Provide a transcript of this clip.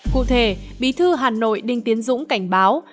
cụ thể bí thư hà nội đinh tiến dũng cảnh báo